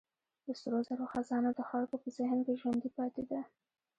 د سرو زرو خزانه د خلکو په ذهن کې ژوندۍ پاتې ده.